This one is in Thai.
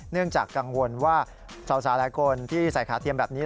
เนื่องจากกังวลว่าสาวหลายคนที่ใส่ขาเทียมแบบนี้